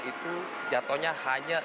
itu jatuhnya hanya lima jutaan